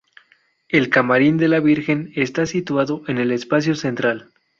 El camarín de la Virgen está situado en el espacio central.